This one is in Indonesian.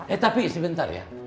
eh tapi sebentar ya